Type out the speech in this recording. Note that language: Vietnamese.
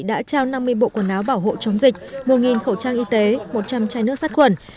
đã trao năm mươi bộ quần áo bảo hộ chống dịch một khẩu trang y tế một trăm linh chai nước sát khuẩn